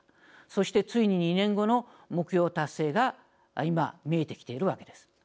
そしてついに２年後の目標達成が今、見えてきているわけです。